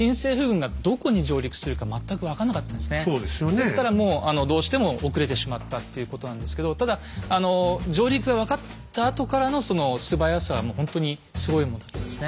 ですからもうどうしても遅れてしまったっていうことなんですけどただ上陸が分かったあとからのその素早さはもうほんとにすごいものだったんですね。